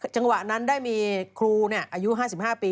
จังหวะนั้นได้มีครูอายุ๕๕ปี